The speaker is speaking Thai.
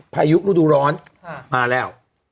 พยุคศูนย์ร้อนมาแล้ว